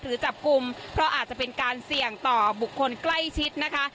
หรือจับกลุ่มเพราะอาจจะเป็นการเสี่ยงต่อบุคคลใกล้ชิดนะคะ